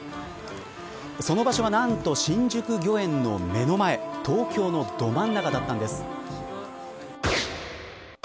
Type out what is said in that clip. その場所は何と新宿御苑の目の前東京のど真ん中だったんです。